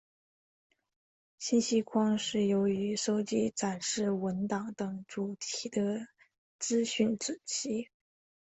信息框是由于收集展现文档等主题的资讯子集。